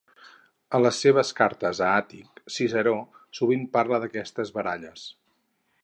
En les seves cartes a Àtic, Ciceró sovint parla d'aquestes baralles.